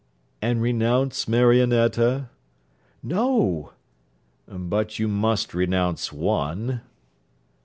'And renounce Marionetta?' 'No.' 'But you must renounce one.'